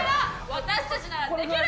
私たちならできる。